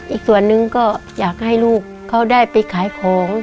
อีกส่วนนึงก็อยากให้ลูกเขาได้ไปขายของ